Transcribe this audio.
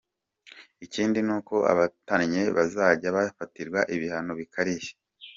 Ikindi ni uko abatannye bazajya bafatirwa ibihano bikarishye.